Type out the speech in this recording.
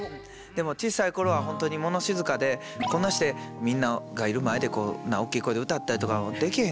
でも小さい頃はホントに物静かでこんなんしてみんながいる前でこんな大きい声で歌ったりとかできへん子やったから。